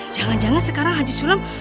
jangan jangan sekarang haji sulam